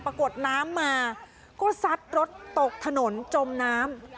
ปรากฏน้ำมาก็ซัดรถตกถนนจมน้ำ